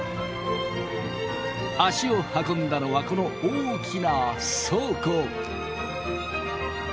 足を運んだのはこの大きな倉庫。